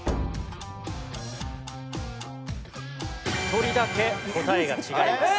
１人だけ答えが違います。